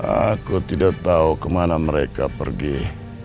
aku tidak tahu kemana mereka pergi